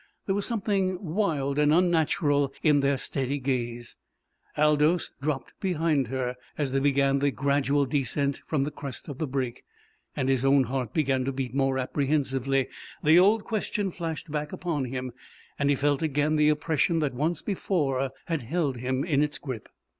There was something wild and unnatural in their steady gaze. Aldous dropped behind her as they began the gradual descent from the crest of the break and his own heart began to beat more apprehensively; the old question flashed back upon him, and he felt again the oppression that once before had held him in its grip.